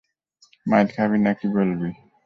মাইর খাবি নাকি বলবি?